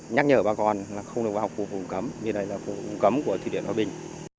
nhắc nhở bà con không được vào khu vùng cấm như đây là khu vùng cấm của thủy điện hòa bình